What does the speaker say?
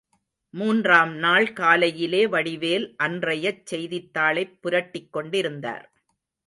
மூன்றாம் நாள் காலையிலே வடிவேல் அன்றையச் செய்தித்தாளைப் புரட்டிக்கொண்டிருந்தார்.